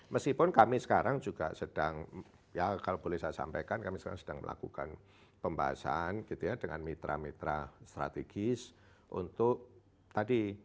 meskipun kami sekarang juga sedang ya kalau boleh saya sampaikan kami sekarang sedang melakukan pembahasan gitu ya dengan mitra mitra strategis untuk tadi